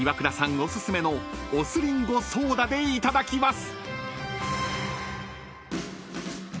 お薦めのお酢りんごソーダでいただきます］